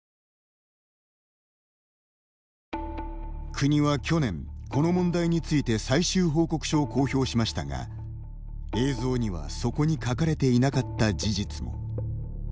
国は去年、この問題について最終報告書を公表しましたが映像にはそこに書かれていなかった事実も。